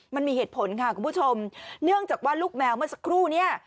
มันมีเหตุผลค่ะคุณผู้ชมเนื่องจากว่าลูกแมวเมื่อสักครู่เนี่ย